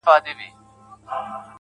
تا ولي په مسکا کي قهر وخندوئ اور ته~